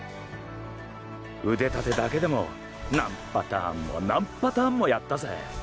腕立てだけでも何パターンも何パターンもやったぜ。